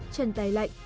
chân tay lạnh